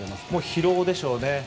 疲労でしょうね。